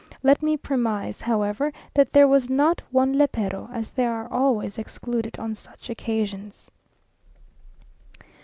Let me premise, however, that there was not one lépero, as they are always excluded on such occasions.